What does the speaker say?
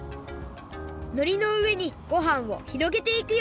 のりのうえにごはんをひろげていくよ